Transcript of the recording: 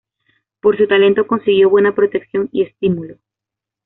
Por su talento consiguió buena protección y estímulo.